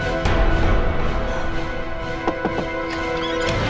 katanya mas akmal di luar kota